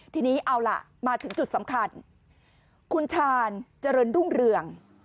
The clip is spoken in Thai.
ทีนี้เอาล่ะมาถึงจุดสำคัญคุณชาญเจริญรุ่งเรือง